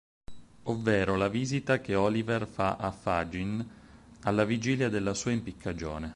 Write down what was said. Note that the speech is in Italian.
Ovvero la visita che Oliver fa a Fagin alla vigilia della sua impiccagione.